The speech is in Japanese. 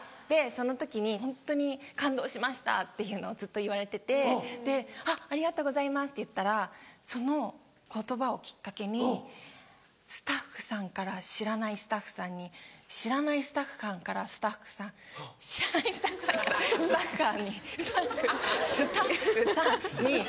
でその時に「ホントに感動しました」っていうのをずっと言われてて「ありがとうございます」って言ったらその言葉をきっかけにスタッフさんから知らないスタッフさんに知らないスタックかんからスタックさん知らないスタックさんからスタッさんに。